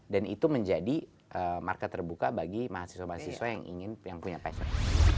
dan itu menjadi marka terbuka bagi mahasiswa mahasiswa yang punya passion